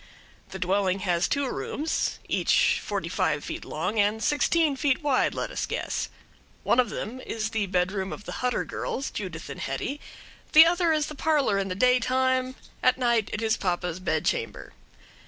The dwelling has two rooms each forty five feet long and sixteen feet wide, let us guess. One of them is the bedroom of the Hutter girls, Judith and Hetty; the other is the parlor in the daytime, at night it is papa's bedchamber.